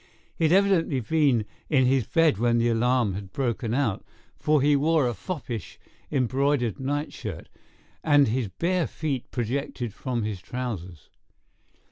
He had evidently been in his bed when the alarm had broken out, for he wore a foppish, embroidered nightshirt, and his bare feet projected from his trousers.